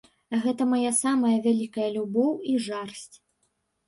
Гэта мая самая вялікая любоў і жарсць.